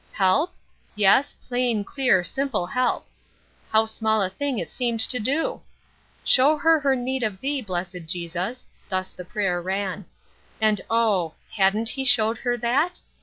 Help? Yes, plain, clear, simple help. How small a thing it seemed to do! "Show her her need of thee, blessed Jesus," thus the prayer ran. And oh! hadn't he showed her that?